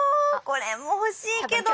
これも欲しいけど。